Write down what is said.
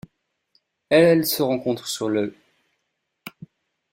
Elle se rencontre sur l'.